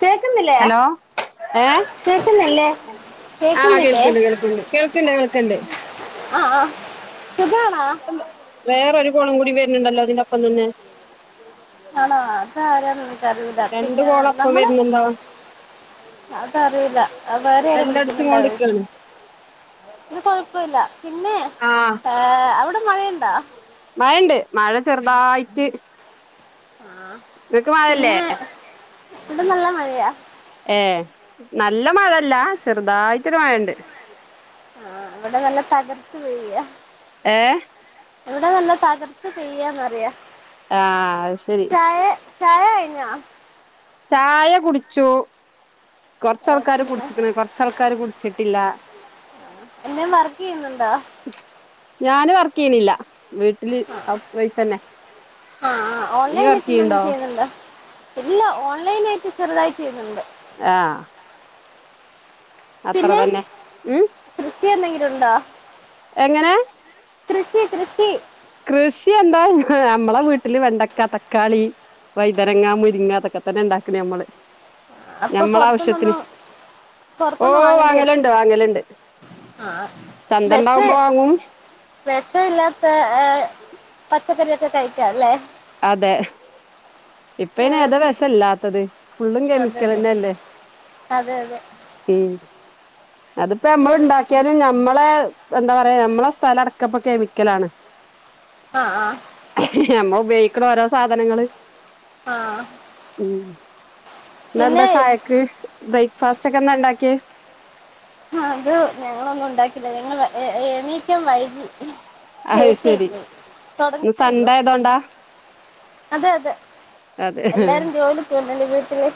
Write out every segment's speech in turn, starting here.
കേക്കുന്നില്ലേ ഹലോ ഏ കേക്കുന്നില്ലേ ആ കേക്കുന്നില്ലേ കേൾക്കണ്ട് കേൾക്കണ്ട് കേൾക്കണ്ട് കേൾക്കണ്ട് ആഹ് വേറൊരു കോള് കൂടി വരുന്നുണ്ടല്ലോ ഇതിന്റെപ്പം തന്നെ ആണോ അത് ആരാണ് എന്നിക്ക് അറീല രണ്ട് പിന്നെ കോളൊപ്പം നമ്മള് വരുന്നുണ്ടോ അത് അറിയൂലാ വേറെ ആരെ ബെല്ലടിച്ചും വിളിക്കുന്നുണ്ടായിരിക്കും കൊണ്ട്ക്കാണ് അത് കൊഴപ്പമില്ല പിന്നെ ഏഹ് അവിടെ മഴയുണ്ടോ? മയ ഉണ്ട് മയ ചെറുതായിട്ട് ഇങ്ങക്ക് മയ ഇല്ലേ? പിന്നെ ഇവിടെ നല്ല മഴയാ ഏഹ് നല്ല മഴല്ല ചെറുതായിട്ടൊരു മഴ ഉണ്ട് ആഹ് ഇവിടെ നല്ല തകർത്ത് പെയ്യാ ഏഹ് ഇവിടെ നല്ല താകർത്ത് പെയ്യാന്ന് പറയാ ആഹ് അയ് ശരി ചായ കഴിഞ്ഞോ? ചായ കുടിച്ചു ഏ കുറച്ചാൾക്കാര് പിന്നെ കുടിച്ചിക്ക്ണ് കൊറച്ച ആൾക്കാര് കുടിച്ചിട്ടില്ല എന്നെ വർക്ക് ചെയുന്നുണ്ടോ? ഇല്ല വീട്ടില് ഹൗസ് വൈഫ് തന്നെ ആഹ് ആഹ് ഇയ്യ് ഓൺലൈനായിട്ട് വർക്ക് എന്തെങ്കിലും ചെയ്യ്ണ്ടോ ചെയ്യുന്നുണ്ടോ? ഇല്ല ഓൺലൈനായിട്ട് ചെറുതായി ചെയ്യ്ന്നുണ്ട് ആ അത്ര പിന്നെ തന്നെ ഉം കൃഷി എന്തെങ്കിലും ഉണ്ടോ എങ്ങനെ കൃഷി കൃഷി കൃഷി എന്താ നമ്മളെ വീട്ടില് വെണ്ടക്ക, തക്കാളി വൈതെനങ്ങ, മുരിങ്ങ തൊക്കെത്തെന്നെ ണ്ടാക്കണ് ഞമ്മള് അപ്പൊ പൊർത്ത്ന്നൊന്നും ഓ വാങ്ങല്ണ്ട് വാങ്ങല്ണ്ട് ആ വെഷേ വെഷല്ലാത്ത ഏ പച്ചക്കറിയൊക്കെ കയ്ക്കാല്ലേ അതെ ഇപ്പയ്ന് ഏഹ് ഏതാ വെശല്ലാത്തത് ഫുള്ളും അതെ അതെ കെമിക്കലെന്നല്ലേ അതെ അതെ ഉം അതിപ്പോ പി ഞമ്മൾണ്ടാക്ക്യാലും ഞമ്മളെ എന്താ പറയാ ഞമ്മളെ സ്ഥലടക്കപ്പം കെമിക്കലാണ് ആ ആ നമ്മൾ ഉപയോഗിക്കണ ഓരോ സാധനങ്ങള് ആ ഉം ഇന്നെന്താ ചായക്ക് ബ്രേക്ക്ഫാസ്റ്റൊക്കെ എന്താ ണ്ടാക്ക്യേ അത് ഞങ്ങളൊന്നും ണ്ടാക്കില്ല ഞങ്ങള് ഏണീക്കാൻ വൈകി അത് ശരി [unintelligible] ഇന്ന് തൊടങ്ന്നേള്ളു സൺഡേ ആയതോണ്ടാ അതെ അതെ അതെ എല്ലാരും ജോലി [unintelligible] വീട്ടില്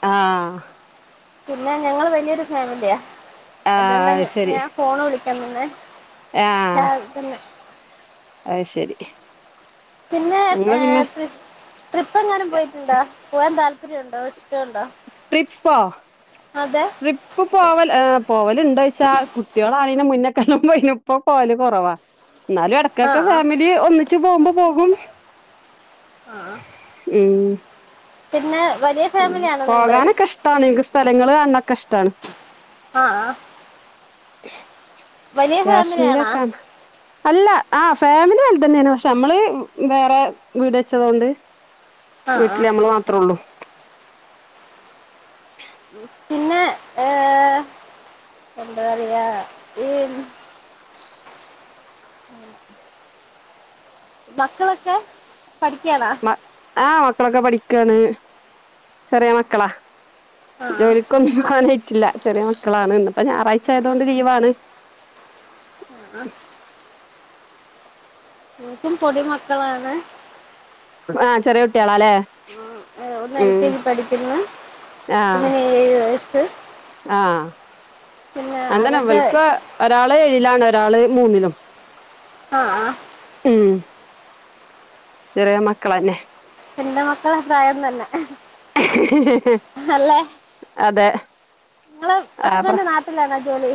ആ പിന്നെ ഞങ്ങള് വല്യോരു ഫാമിലിയാ അതോണ്ട് ആഹ് ശരി ഞാൻ ഫോൺ വിളിക്ക [unintelligible] ആ ആഹ് പിന്നെ അത് ശെരി പിന്നെ എ ട്രിപ്പ് ട്രിപ്പെങ്ങാനും പോയിറ്റ്ണ്ടോ പോവാൻ താൽ ഒത്തിരി ഒണ്ടോ ഒറ്റുണ്ടോ? ട്രിപ്പോ ട്രിപ്പ് പോവല് ആ പോവല്ണ്ടോയ്ച്ചാ കുട്ട്യോളാ അയ്ന മുന്നക്കാണ പോയ്നു. ഇപ്പം പോല് കൊറവാ. ന്നാലും ആ എടക്കെട്ക്ക് ആ ഫാമിലി ഒന്നിച്ച് പോമ്പം പോകും. ആഹ്. ഉം. പിന്നെ ഉം ഫാമിലിയാണോ നിങ്ങള് പോകാനൊക്കെ ഇഷ്ടാ ണ് ഇങ്ങക്ക് സ്ഥലങ്ങള് കാണണൊക്ക ഇഷ്ടാണ് അ ആഹ് കാശ്മീരാക്കാന്നാ അല്ല ആഹ് ഫാമിലി അതിൽ തന്നെയാണ് പക്ഷെ നമ്മള് വ് വേറെ വീട് വെച്ചതോണ്ട് ആ ആ വീട്ടില് നമ്മള് മാത്രേ ഒള്ളു പിന്നെ ഏ എന്ത് പറയാ ഈ മക്കളൊക്കെ പഠിക്കാണോ മ ആഹ് മക്കളൊക്കെ പഠിക്കുആണ് ചെറിയ മക്കളാ ആ ജോലിക്കൊന്നും പുവാൻ പറ്റില്ല ചെറിയ മക്കളാണ് ഇന്ന്പ്പ ഞായറാഴ്ച ആയതോണ്ട് ലീവാണ് ആ എക്കും പൊടിമക്കളാണ് ആഹ് ചെറിയ കുട്ടിയാളാല്ലേ ഒന്ന് എൽ കെ ജി പഠിക്കുന്ന് ആഹ് ഒന്നിന് ഏഴ് വയസ്സ് ആഹ് പിന്നെ അങ്ങന അതൊക്കെ ഇവൾക്ക് ഒരാളെ യിലാണ് ഒരാള് മൂന്നിലും അ ആഹ് ഉം ചെറിയ മക്കളന്നെ എന്റെ മക്കള പ്രായം തന്ന അതെ ങ്ങളെ ആഹ് പ്ര ഹസ്ബൻ്റ് നാട്ടിലാണാ ജോലി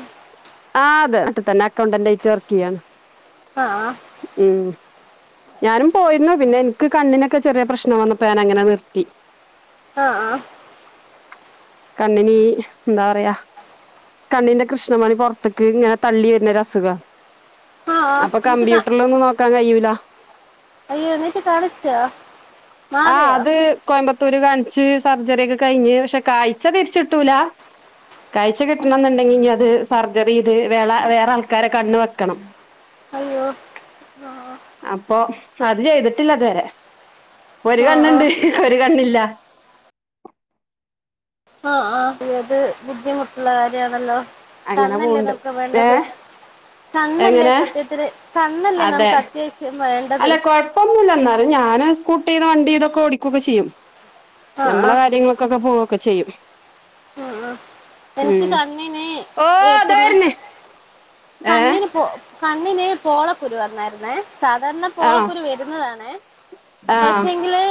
ആഹ് അതെ നാട്ടിത്തന്ന അക്കൗണ്ടൻ്റ് ആയിറ്റ് വർക്ക് യ്യാണ് അ ആഹ് ഞാനും പോയിരുന്നു പിന്നെ എനിക്ക് കണ്ണിനൊക്ക ചെറിയ പ്രശ്നം വന്നപ്പോ ഞാനങ്ങന നിർത്തി ആ ആ കണ്ണിനി എന്താ പറയാ കണ്ണിന്റെ കൃഷ്ണമണി പൊറത്തേക്ക് ഇങ്ങനെ തള്ളി വരുന്ന ഒര്അസുഖാ ആ ആ അപ്പൊ എന്നിട്ട് കാ- കമ്പ്യൂട്ടറിലൊന്നും നോക്കാൻ കഴിയൂല അയ്യോ എന്നിട്ട് കാണിച്ചോ ആഹ് മാറിയോ അത് കോയമ്പത്ത് ത്ത് ഒരു കാണിച്ച് സർജറി എക്കെ കഴിഞ്ഞ് പക്ഷെ കാഴ്ച്ച തിരിച്ചിട്ടൂല കാഴ്ച്ച കിട്ടണം എന്ന്ണ്ടെങ്കി ഇനി അത് സർജറി ഇത് വേള വേറ ആൾക്കാരെ കണ്ണ് വെക്കണം ഹലോ ആ പ്പൊ അത് ചെയ്തിട്ടില്ലതുവരെ ഒരു ആ കണ്ണുണ്ട് ആ ഒരു കണ്ണില്ല ആ ആ ഏത് ബുദ്ധിമുട്ടുള്ള കാര്യാണല്ലോ അങ്ങനെ കണ്ണല്ലേ പോവ്ണ്ട് നമ്ക്ക് വേണ്ടത് ഏഹ് കണ്ണല്ലേ എങ്ങനെ സത്യത്തില് കണ്ണല്ലേ അതെ നമുക്ക് അത്യാവശ്യം വേണ്ടത് ഞാൻ സ്കൂട്ടി ഇത് വണ്ടി ഇത് ഒക്കെ ഓടിക്കുക ചെയ്യും ആ നമ്മള ആ കാര്യങ്ങളൊക്കൊക്കെ പോ ഒക്കെ ചെയ്യും ആഹ് ആഹ് എനിക്ക് ഉം കണ്ണിന് ഓ ഏഹ് ദാ പിന്നെ വര്ണ് ഏഹ് കണ്ണിന് പോ കണ്ണിന് പോളക്കുരു വന്നായിരുന്നേ സാധാരണ ആഹ് പോളക്കുരു വരുന്നതാണ് ആഹ് പക്ഷെ എങ്കില്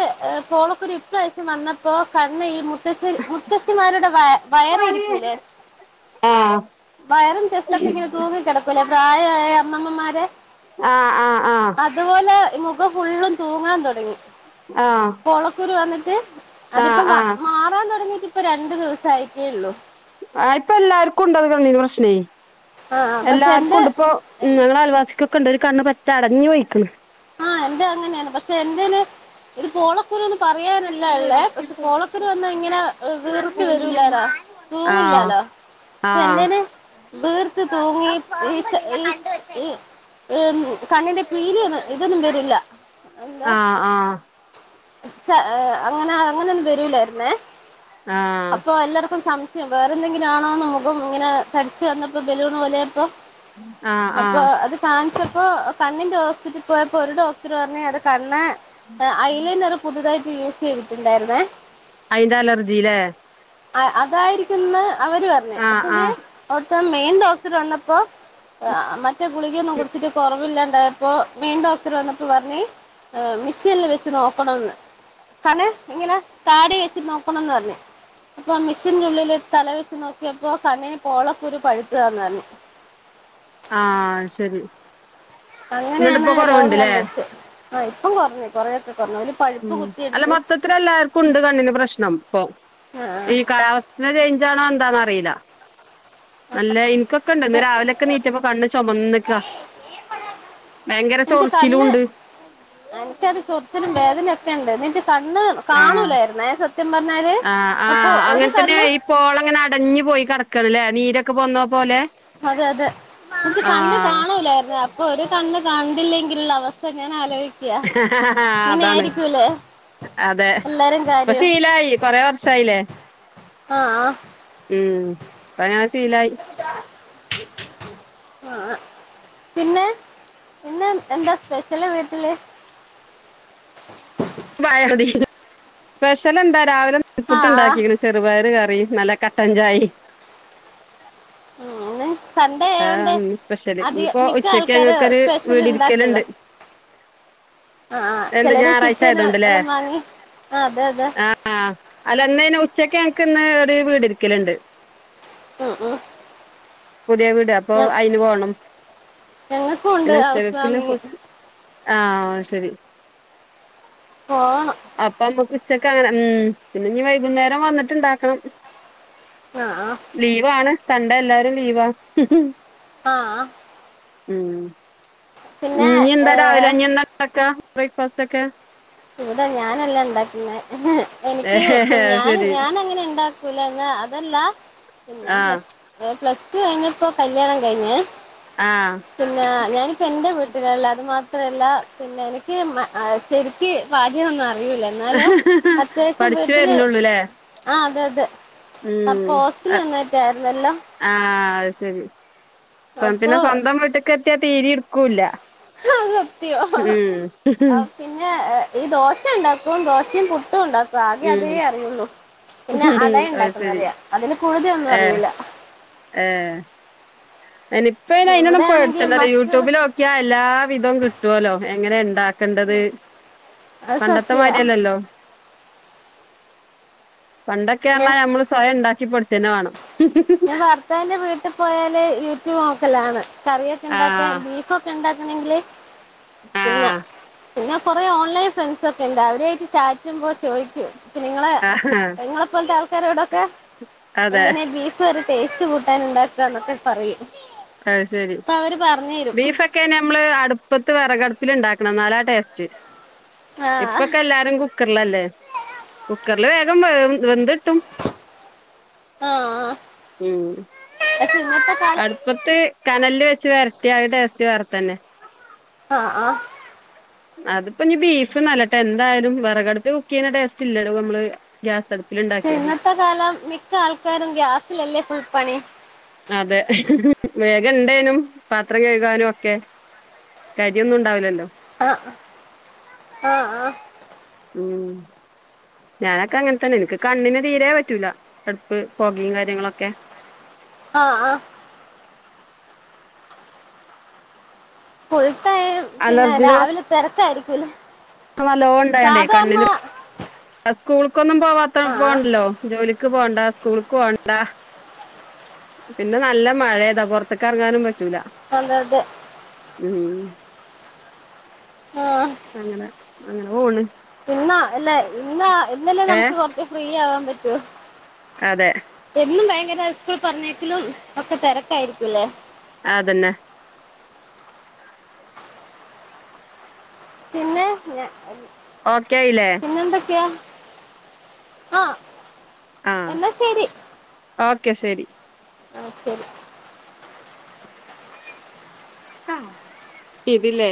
പോളക്കുരു ഇപ്രാവശ്യം വന്നപ്പോ കണ്ണ് ഈ മുത്തശ്ശി മുത്തശ്ശിമാരുടെ വ വയറിരിക്ക ആഹ് വയറും ജസ്റ്റ്ക്കെ ഇങ്ങനെ തൂങ്ങി കിടക്കൂലേ പ്രായ അമ്മമ്മമാരെ ആ ആ ആ അതുപോലെ മുഖം ഫുള്ളും തൂങ്ങാൻ തുടങ്ങി ആഹ് പൊളക്കുരു വന്നിട്ട് അതിപ്പോ ആഹ് മാ ആഹ് മാറാൻ തുടങ്ങിട്ട് ഇപ്പം രണ്ടു ദിവസം ആയിട്ടേ ഉള്ളു ആ ഇപ്പൊ എല്ലാർക്കും ഉണ്ട് അത് കണ്ണ്ന് പ്രശ്നേ ആഹ് പക്ഷെ എല്ലാർക്കും ഉണ്ട് ഇപ്പോ എന്റെ ഞങ്ങളെ ആയൽവാസിക്കൊക്കെ ഉണ്ട് ഒരു കണ്ണ് പറ്റേ അടഞ്ഞ് പോയിക്ക്ണ് ആ എന്റെ അങ്ങനെയാണ് പക്ഷെ എൻ്റേല് ഒരു പോളോ ഒരോന്ന് പറയാനല്ല എള്ളേ പക്ഷെ പോളക്കരു വന്ന ഇങ്ങനെ വീർത്ത് വരൂല്ലല്ലൊ തൂങ്ങില്ല ആഹ് ല്ലാലോ ക്ഷേ ആഹ് എന്തേന് വീർത്ത് തൂങ്ങി ഈച് ഈച് ഇ ഇ കണ്ണിന്റെ പീലി ഒന്ന് ഇതൊന്നും വരൂല്ല എന്താ ആഹ് ആഹ് ഉച്ച അങ്ങനെ അങ്ങനെ ഒന്നും വരൂലായിരുന്നേ ആഹ് അപ്പൊ എല്ലാർക്കും സം [unintelligible] വേറെ എന്തെങ്കിലു ആണോന്ന് മുഖം ഇങ്ങനെ തടിച്ച് വന്നപ്പോ ബലൂൺ പോലെയായപ്പോ ആഹ് അപ്പൊ ആഹ് അത് കാൺചൊട് പ്പോ കണ്ണിന്റെ ഹോസ്പിറ്റലി പോയപ്പോ ഒരു ഡോക്ടർ പറഞ്ഞു അത് കണ്ണ് ഐലിനിയർ പുതിതായി യൂസ് ചെയ്തിട്ടിണ്ടായിരുന്നേ അയ്ന്റെ അലർജീല്ലേ അ അതായിരിക്കും ന്ന് അവര് പറഞ്ഞ് ആഹ് പക്ഷെങ്കി ആഹ് ഇപ്പം മെയിൻ ഡോക്ടർ വന്നപ്പോ അ മറ്റേ ഗുളികൊന്നും കുടിച്ചിട്ട് കൊറവില്ലാണ്ടായപ്പോ മെയ്ൻ ഡോക്ടർ വന്നപ്പോ പറഞ്ഞ് മെഷീനിൽ വെച്ച് നോക്കണന്ന് കണ്ണ് ഇങ്ങനെ താടി വെച്ച് നോക്കണംന്ന് പറഞ്ഞ് അപ്പൊ ആ മിഷീന്റെ ഉള്ളില് തല വെച്ച് നോക്കിയപ്പോ കണ്ണിന് പോളക്കുരു പഴുത്തതാന്നു പറഞ്ഞ് [inaudible] ആ ശരി എന്നിട്ട് അങ്ങനെയാണ് ഇപ്പോ രോഗം കൊറവുണ്ട്ല്ലേ കണ്ടെടുത്ത് ആ ഇപ്പം കുറഞ്ഞു കൊറെയൊക്കെ കുറഞ്ഞു ഓല് ഉ പഴുപ്പ് അല്ല കുത്തിയെടുത്ത് മൊത്തത്തില് എല്ലാർക്കും ഉണ്ട് കണ്ണിന് പ്രശ്നം ഇപ്പൊ ആ ഈ കാലാവസ്ഥൻ്റേ ചേയിഞ്ചാണോ എന്താന്നറിയില്ല നല്ല എനിക്കൊക്കെ ഉണ്ട് ഇന്ന് രാവിലൊക്കെ നീച്ചപ്പൊ കണ്ണ് ചുമന്ന്ക്കാ ഭയങ്കര എനിക്ക് ചൊറിച്ചിലും കണ്ണ് ഇണ്ട് എനിക്കത് ചൊർച്ചിലും വേദനയൊക്കെ ഉണ്ട്എനിക്ക് കണ്ണ് കാണൂല്ലായിരുന്നേ സ ആ ആ അങ്ങനെ തന്നേണ് ഈ പോളങ്ങനെ അടഞ്ഞു പോയി കട ക്കണില്ലേ നീരൊക്കെ പോന്നോ പോലെ അതെ അതെ എനിക്ക് കണ്ണ് ആഹ് കാണുല്ലായിരുന്നേ അ പ്പൊരു കണ്ണ് കണ്ടില്ലെങ്കിലുള്ള അവസ്ഥ ഞാൻ ആലോചിക്ക അതാണ് അതെ എല്ലാരും കാര്യം ഇപ്പംശീലായി കൊറേ വർഷായിലേ അ ആ ഉം ഇപ്പങ്ങനെ ശീലായി ആ പിന്നെ ഇന്ന് എന്താ സ്പെഷ്യല് വീട്ടില് [unintelligible] സ്പെഷലെന്താ രാവിലെ ആ നൂൽപ്പുട്ട് ആ എണ്ടാക്കിക്ണ് ചെറുപയർ ക റിം നല്ല കട്ടൻചായിം അങ്ങനെ സൺഡേ ആയോണ്ട് ഇന്ന് സ്പെഷ്യല് അധികം ഇനിയിപ്പോ മിക്ക ഉച്ചക്ക് ആൾക്കാരും ഞങ്ങക്കൊരു സ്പെഷ്യൽ ഇണ്ടാക്കല്ലോ വീടിരിക്കല്ണ്ട് ആ ചിലര് ചിക്കന് എല്ലാം വാങ്ങി ആഹ് അതെ അതെ ആ അ അല്ലന്ന്നി ഉച്ചക്ക് ഞങ്ങക്ക് ഇന്ന് ഒരു വീട് ഇരിക്കലിണ്ട് ആ ആ പുതിയ വീട് അപ്പൊ അയിന്പോണം ഞങ്ങക്കും ഉണ്ട് പിന്നെ ഹൗസ് ഉച്ചക്കക്കില്ലെ ഫു വാമിങ് ആഹ് ശരി പോണം അപ്പമ്മക്ക് ഉച്ചക്കങ്ങനെ ഉം പിന്നെനി വൈകുന്നേരം വന്നിട്ടിണ്ടാക്കണം ആഹ് ആഹ് ലീവാണ് സണ്ടെ എല്ലാരും ലീവാ ആഹ് ഉം പിന്നെ ഇനീ എന്താ രാവിലെ ഏഹ് ഇനി എന്താ ഇണ്ടാക്ക ബ്രേക്ക്ഫാസ്റ്റൊക്കെ ഇവടെ ഞാനല്ല ഇണ്ടാക്കുന്നെ ഹ് എനിക്ക് പിൻ ഏഹ് ഞാൻ ശരി ഞാൻ അങ്ങനെണ്ടാക്കൂല്ല എന്ന അതല്ല പിന്നെ ആഹ് പ്ലസ് ഏ പ്ലസ് റ്റു കഴിഞ്ഞപ്പോ കല്യാണംകഴിഞ്ഞ് ആഹ് പിന്നെ ഞാനിപ്പെന്റെ വീട്ടിലല്ല അത് മാ ത്രല്ല പിന്നെനിക്ക് ശെരിക്ക് ഭാഗ്യംവന്നതാ പണിയുല്ല എന്നാലും അത്യാവശ്യം പഠിച്ചു വീട്ടില് ആ അതെ അതെ അപ്പൊ ഹോസ്റ്റല് നിന്നിട്ടായിരുന്നല്ലോ ഉം-അ-ആഹ് ശരി അപ്പൊ പിന്നെ സ്വന്തം വീട്ടക്കെത്തിയാ തീര്യെടുക്കൂല്ല അത് സത്യാ ആ പിന്നെ ഈ ദോശയുണ്ടാക്കും ദോശയും പുട്ടും ഉണ്ടാക്കും ഇപ്പാകെ അതേ ഉം അറിയുള്ളൂ പിന്നെ അത് ശരി അടയുണ്ടാക്കുന്നറിയാം അതിൽ കൂടുതലൊന്നും ഏഹ് അറിയുല്ല ഏഹ് ഇനിപ്പ അയിനൊന്നും ഇവിടെ ആണെങ്കി പേഠിച്ചണ്ടല്ലോ മക്കള് യൂട്യൂബിലോക്കിയാ എല്ലാ വിധവും കിട്ടുവല്ലോ എങ്ങനെയാണ്ടാക്ക ക്കണ്ടത് അത് സത്യ പണ്ടത്തെമാരിയല്ലല്ലോ ഞാൻ പണ്ടൊക്കെയാന്നാ നമ്മള് സ്വയം ഉണ്ടാക്കി പടിച്ചേന്നെ വേണം ഞാൻ ഭർത്താവിന്റെ വീട്ടിപ്പോയാല് യൂട്യൂബ് നോക്കലാണ് കറിയൊക്കെണ്ടാക്കാൻ ആഹ് ബീഫൊക്കെണ്ടാക്കണെങ്കില് പിന്ന ആഹ് പിന്നെ കുറേ ഓൺലൈൻ ഫ്രണ്ട്സൊക്കെണ്ട് അവരു ആയിട്ട് ചാറ്റുമ്പോ ചോയിക്കും നിങ്ങള് ആഹ് നിങ്ങളെപ്പോലത്താൾക്കാരോടൊക്കെ അതെ എങ്ങനെയാ ബീഫ് കറി ടേസ്റ്റ് കൂട്ടൻ ഉണ്ടാക്കുക എന്നൊക്കെ പറയും അത്ശെരി അപ്പൊ അവര് പറഞ്ഞു തരും ബീഫൊക്കെ നമ്മള് അടുപ്പത്ത് വിറകടു പ്പിലുണ്ടാക്കണം എന്നാലാ ടേസ്റ്റ് ആ ഇപ്പൊക്കെല്ലാരും കുക്കറിലല്ലേ കുക്കറില് വേഗം വേവും വെന്ത് ട്ടും ആ ഉം പക്ഷെ ഇന്നത്തെ കാലം അടുപ്പത്ത് കനലില് വെച്ച് വരട്ടിയ അത് ടേസ്റ്റ് വേറെത്തന്നെ ആഹ്-ആഹ് അതിപ്പൊനി ബീഫ്ന്നല്ലട്ടെന്തായാലും വിറകടുപ്പില് കുക്ക്ചെയ്യ്ണ ടേസ്റ്റില്ലല്ലോ നമ്മള് ഗ്യാസടു ഇന്നത്തെകാലം മിക്ക ആൾക്കാരും ഗ്യാസിലല്ലേ ഫുൾ പണി അതെ ഹ്-ഹ്-ഹ് വേഗം ഇണ്ടേനും പാത്രം കഴുകാനും ഒക്കെ കാര്യോന്നുണ്ടാവില്ലല്ലോ ആഹ്-ആഹ്-ആഹ് ഉം ഞാനൊക്കങ്ങനെ തന്നെണ് എനിക്ക് കണ്ണിന് തീരേ പറ്റൂല അടുപ്പ് പൊകേം കാര്യങ്ങളൊക്കെ ആഹ്-ആഹ് ഫുൾടൈം പിന്നെ രാവിലെ തിരത്തായിരിക്കൂലെ നല്ലോണണ്ടായണ്ടേ കണ്ണിന് സ്കൂൾക്കൊന്നും പോവാത്ത ആ പോവണ്ടല്ലോ ജോലിക്ക്പോണ്ട സ്കൂള്ക്ക്പോണ്ട പിന്നെ നല്ല മഴയതാ പൊറത്ത്ക്കെറങ്ങാനും പറ്റൂല വല്ലാതെ ഉംഹ് ആ അങ്ങനെ അങ്ങനെപോണ് ഇന്നാ അല്ല ഇന്നാ ഇന്നല്ലേ ഏ നമുക്ക് കൊറച്ച് ഫ്രീയാവാൻ പറ്റൂ അതെ ഇന്നും ഭയങ്കര സ്കൂള് പറഞ്ഞയക്കലും ഒക്കെ തിരക്കായിരിക്കുംല്ലേ അതന്നെ പിന്നെ ഞാ ഓക്കെ ആയില്ലേ പിന്നെന്തൊക്കെയാ ആ ആ എന്നാ ശരി ഓക്കെ ശെരി ആ ശെരി ഇതില്ലേ